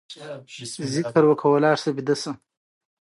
د مرغیو سحرونه